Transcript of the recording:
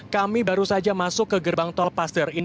kami baru saja masuk ke gerbang tol paster